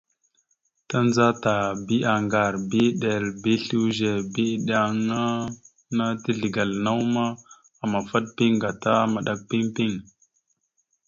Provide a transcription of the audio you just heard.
Tandzata aha bi aŋgar bi eɗel bi slʉze bi iɗeŋa ana teslekal naw ma, amafat piŋ gata maɗak piŋ piŋ.